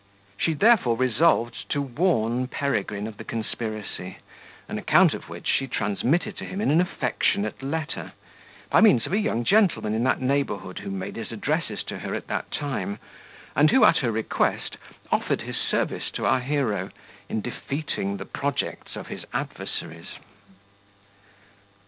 She therefore resolved to warn Peregrine of the conspiracy, on account of which she transmitted to him in an affectionate letter, by means of a young gentleman in that neighbourhood, who made his addresses to her at that time, and who, at her request, offered his service to our hero, in defeating the projects of his adversaries.